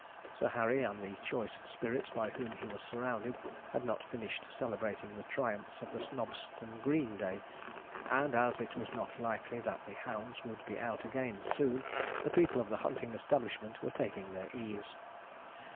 Sir Harry, and the choice spirits by whom he was surrounded, had not finished celebrating the triumphs of the Snobston Green day, and as it was not likely that the hounds would be out again soon, the people of the hunting establishment were taking their ease.